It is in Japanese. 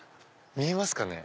見えますかね？